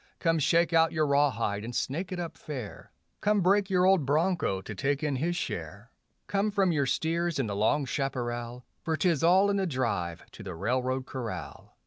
Come shake out your rawhide and snake it up fair; Come break your old broncho to take in his share; Come from your steers in the long chaparral, For 'tis all in the drive to the railroad corral.